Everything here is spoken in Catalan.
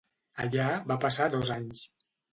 Allà va passar dos anys.